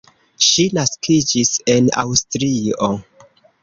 Ŝi naskiĝis en Aŭstrio.